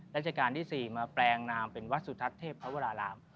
ราชการที่๔มาแปลงนามเป็นวัดสุทัศน์เทพวราราม